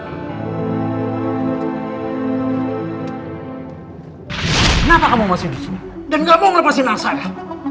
kenapa kamu masih disini dan gak mau melepaskan anak saya